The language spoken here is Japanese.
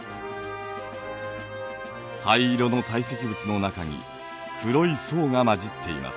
灰色の堆積物の中に黒い層が交じっています。